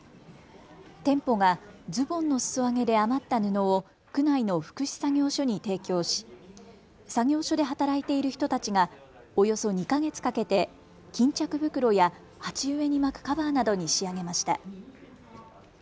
店舗がズボンのすそ上げで余った布を区内の福祉作業所に提供し作業所で働いている人たちがおよそ２か月かけて巾着袋や鉢植えに巻くカバーなどに仕上げました。